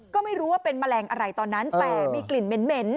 ก็ไม่รู้ว่าเป็นแมลงอะไรตอนนั้นแต่มีกลิ่นเหม็น